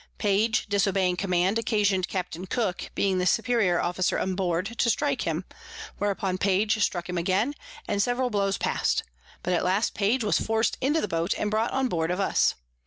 Page disobeying Command, occasion'd Capt. Cook, being the superior Officer aboard, to strike him; whereupon Page struck him again, and several Blows past: but at last Page was forc'd into the Boat, and brought on board of us.